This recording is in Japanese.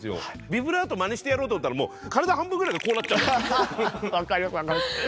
ビブラートまねしてやろうと思ったらもう体半分ぐらいがこうなっちゃうんですよ。